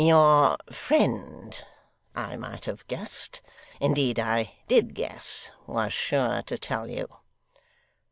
'Your friend, I might have guessed indeed I did guess was sure to tell you.